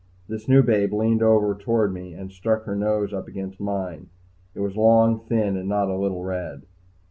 This new babe leaned over toward me and stuck her nose up against mine. It was long, thin, and not a little red.